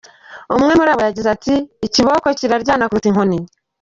Umwe muri bo yagize ati “Ikiboko kiraryana kuruta inkoni.